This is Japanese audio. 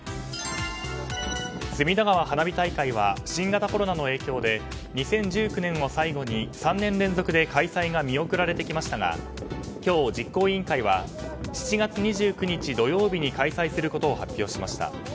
隅田川花火大会は新型コロナの影響で２０１９年を最後に３年連続で開催が見送られてきましたが今日、実行委員会は７月２９日土曜日に開催することを発表しました。